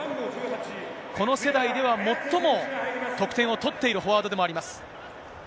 この世代では最も得点を取っているフォワードでもあります。